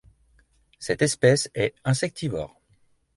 Cette espèce est insectivore.